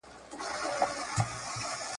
ماشوم ته مینه ورکول ډېر اړین دي.